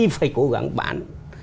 phải cố gắng bán